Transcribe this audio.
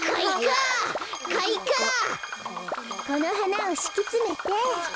このはなをしきつめて。